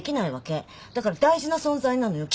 だから大事な存在なのよ。